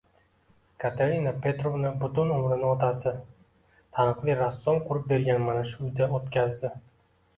Katerina Petrovna butun umrini otasi – taniqli rassom qurib bergan mana shu uyda oʻtkazdi.